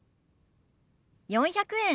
４００円。